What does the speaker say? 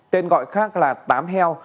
tên gọi khác là tám heo